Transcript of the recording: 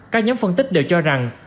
các nhóm phân tích đều cho rằng